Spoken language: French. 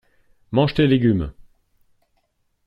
Mange tes légumes!